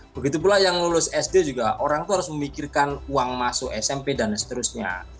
begitu pula yang lulus sd juga orang itu harus memikirkan uang masuk smp dan seterusnya